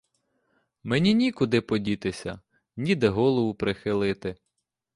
Мені нікуди подітися, ніде голову прихилити!